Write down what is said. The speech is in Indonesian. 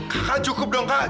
kakak cukup dong kakak cukup